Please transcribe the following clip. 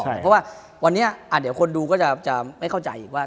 เพราะว่าวันนี้เดี๋ยวคนดูก็จะไม่เข้าใจอีกว่า